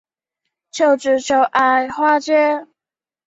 阮有政是乂安省英山府真禄县邓舍总东海社古丹村出生。